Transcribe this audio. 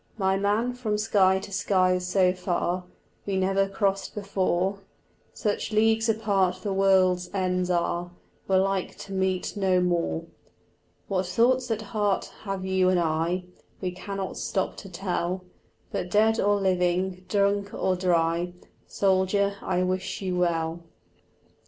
My man, from sky to sky's so far, We never crossed before; Such leagues apart the world's ends are, We're like to meet no more; What thoughts at heart have you and I We cannot stop to tell; But dead or living, drunk or dry, Soldier, I wish you well.